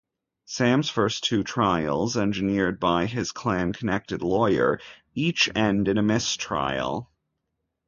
Sam's first two trials, engineered by his Klan-connected lawyer, each end in a mistrial.